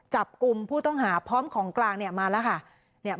จับกลุ่มผู้ต้องหาพร้อมของกลางมาแล้วค่ะ